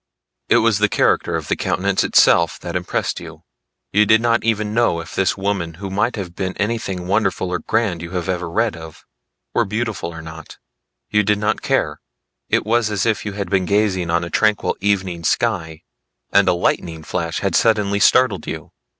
It was the character of the countenance itself that impressed you. You did not even know if this woman who might have been anything wonderful or grand you ever read of, were beautiful or not. You did not care; it was as if you had been gazing on a tranquil evening sky and a lightning flash had suddenly startled you.